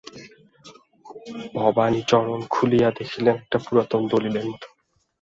ভবানীচরণ খুলিয়া দেখিলেন একটা পুরাতন দলিলের মতো।